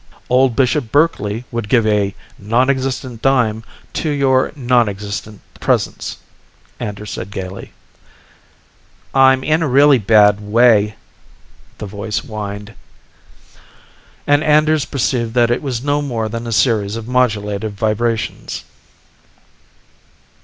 "Old Bishop Berkeley would give a nonexistent dime to your nonexistent presence," Anders said gaily. "I'm really in a bad way," the voice whined, and Anders perceived that it was no more than a series of modulated vibrations.